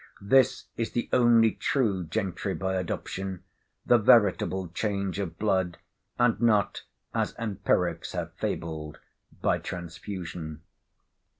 This is the only true gentry by adoption; the veritable change of blood, and not, as empirics have fabled, by transfusion.